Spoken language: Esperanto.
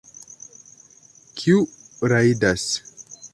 Kiu rajdas?